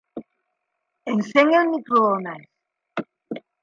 Encén el microones.